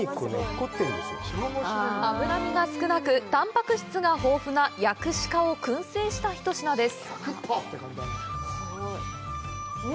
脂身が少なく、たんぱく質が豊富な屋久鹿をくん製した一品です。